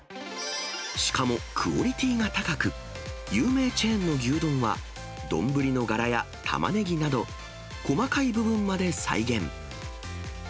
しかもクオリティーが高く、有名チェーンの牛丼は、丼の柄やタマネギなど、細かい部分まで再現。